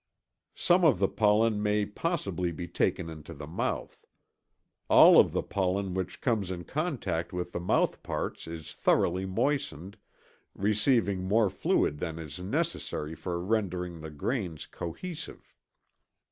Some of the pollen may possibly be taken into the mouth. All of the pollen which comes in contact with the mouthparts is thoroughly moistened, receiving more fluid than is necessary for rendering the grains cohesive.